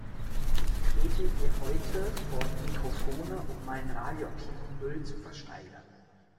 Ich trete hier heute vor die Mikrofone, um meinen radioaktiven Müll zu versteigern.